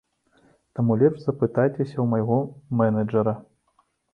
Таму лепш запытайцеся ў майго менеджэра.